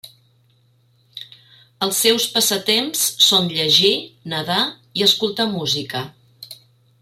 Els seus passatemps són llegir, nedar i escoltar música.